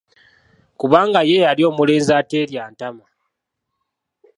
Kubanga ye yali omulenzi ateerya ntama.